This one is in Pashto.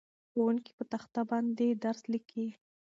ښوونکی په تخته باندې درس لیکي.